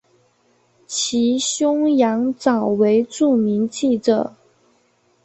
其兄羊枣为著名记者。